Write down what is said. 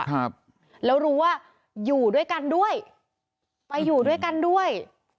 ครับแล้วรู้ว่าอยู่ด้วยกันด้วยไปอยู่ด้วยกันด้วย